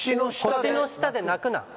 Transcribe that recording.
「星の下で泣くな」